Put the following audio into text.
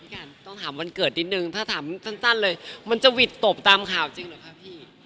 กันต้องถามวันเกิดนิดนึงถ้าถามสั้นเลยมันจะหวิดตบตามข่าวจริงเหรอคะพี่